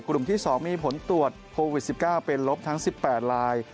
กลุ่มที่๒มีผลตรวจโควิด๑๙เป็นลบทั้ง๑๘ลาย